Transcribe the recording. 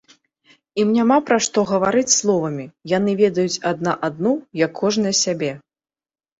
Ім няма пра што гаварыць словамі, яны ведаюць адна адну, як кожная сябе.